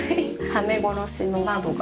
はめ殺しの窓が。